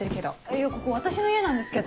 いやここ私の家なんですけど。